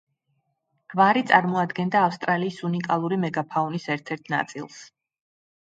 გვარი წარმოადგენდა ავსტრალიის უნიკალური მეგაფაუნის ერთ-ერთ ნაწილს.